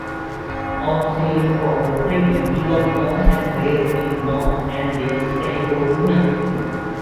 Often called "Freddie," he was born and raised in Los Angeles, California.